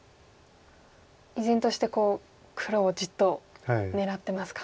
依然として黒をじっと狙ってますか。